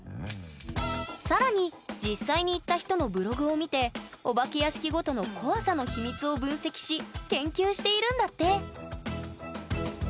更に実際に行った人のブログを見てお化け屋敷ごとの怖さの秘密を分析し研究しているんだって！